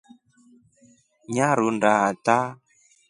Nyarunda ata.